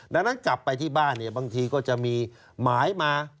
ดังนั้นกลับไปที่บ้านเนี่ยบางทีก็จะมีหมายมา